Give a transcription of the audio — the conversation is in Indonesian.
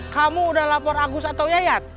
kamu udah lapor agus atau yayat